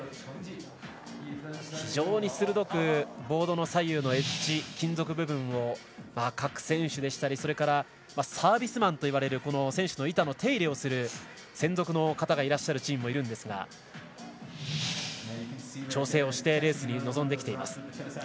非常に鋭くボードの左右のエッジ金属部分を各選手でしたりそれからサービスマンと呼ばれる選手の板の手入れをする専属の方がいらっしゃるチームもいるんですが調整をして、レースに臨んできています。